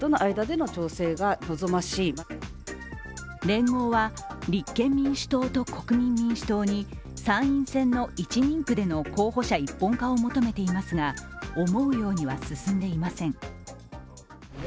連合は立憲民主党と国民民主党に参院選の１人区での候補者一本化を求めていますが、思うようには進んでいません。